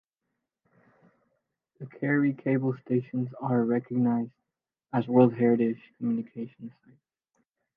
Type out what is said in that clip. The Kerry cable stations are recognised as World Heritage Communications Sites.